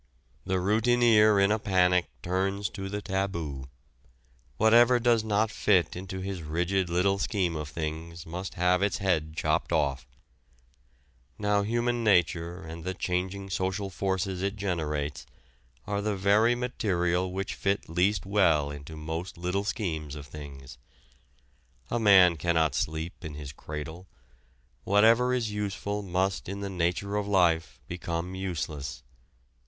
The routineer in a panic turns to the taboo. Whatever does not fit into his rigid little scheme of things must have its head chopped off. Now human nature and the changing social forces it generates are the very material which fit least well into most little schemes of things. A man cannot sleep in his cradle: whatever is useful must in the nature of life become useless.